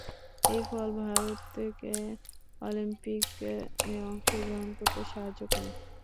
এই ফল ভারতকে অলিম্পিকে অংশগ্রহণ করতে সাহায্য করে।